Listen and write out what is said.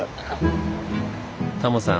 タモさん